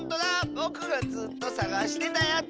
ぼくがずっとさがしてたやつ！